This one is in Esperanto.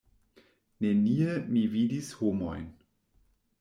Nenie mi vidis homojn.